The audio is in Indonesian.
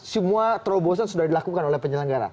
semua terobosan sudah dilakukan oleh penyelenggara